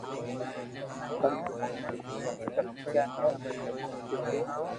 تمو امون ني خلڪيا ھي امي تمو نو ڪجھ دور